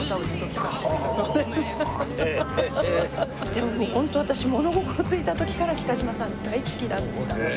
でもホント私物心ついた時から北島さん大好きだったので。